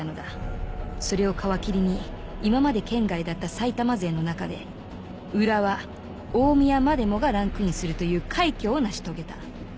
それを皮切りに今まで圏外だった埼玉勢の中で浦和大宮までもがランクインするという快挙を成し遂げた。